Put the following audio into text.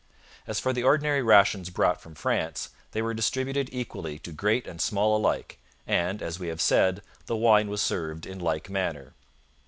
As for the ordinary rations brought from France, they were distributed equally to great and small alike; and, as we have said, the wine was served in like manner.